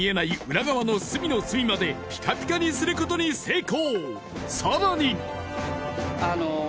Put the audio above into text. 裏側の隅の隅までピカピカにすることに成功！